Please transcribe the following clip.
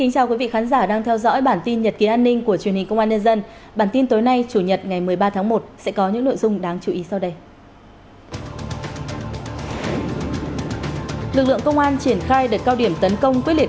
các bạn hãy đăng ký kênh để ủng hộ kênh của chúng mình nhé